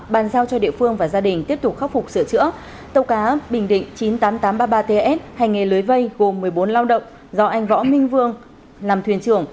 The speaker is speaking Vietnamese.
bàn giao cho địa phương và gia đình tiếp tục khắc phục sửa chữa tàu cá bình định chín mươi tám nghìn tám trăm ba mươi ba ts hành nghề lưới vây gồm một mươi bốn lao động do anh võ minh vương làm thuyền trưởng